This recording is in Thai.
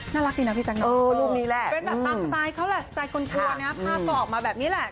น่ารักดีนะพี่แจ๊ะรูปนี้แหละเป็นแบบตามสไตล์เขาแหละสไตล์คนทัวร์นะภาพก็ออกมาแบบนี้แหละ